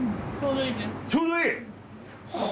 ちょうどいいです。